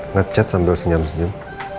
ngechat sambil senyam senyam